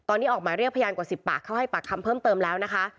ออกมาเรียกพยานกว่าสิบปากเข้าให้ปากคำเพิ่มเติมแล้วนะคะ